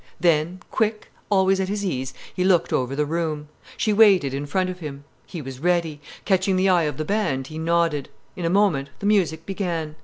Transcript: Then, quick, always at his ease, he looked over the room. She waited in front of him. He was ready. Catching the eye of the band, he nodded. In a moment, the music began.